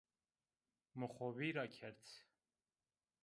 Mi xo vîr ra kerd